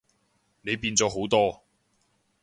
你變咗好多